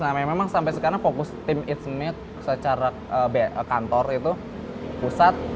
nah memang sampai sekarang fokus tim eats milk secara kantor itu pusat